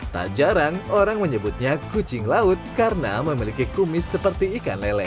tak jarang orang menyebutnya kucing laut karena memiliki kumis seperti ikan lele